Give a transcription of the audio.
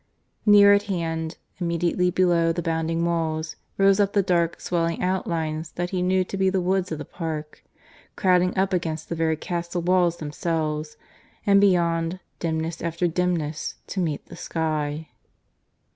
Near at hand, immediately below the bounding walls, rose up the dark swelling outlines that he knew to be the woods of the park, crowding up against the very castle walls themselves; and beyond, dimness after dimness, to meet the sky.